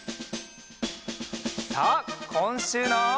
さあこんしゅうの。